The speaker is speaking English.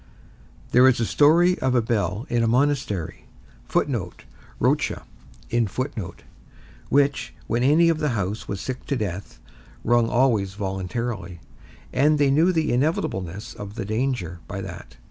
There is a story of a bell in a monastery which, when any of the house was sick to death, rung always voluntarily, and they knew the inevitableness of the danger by that.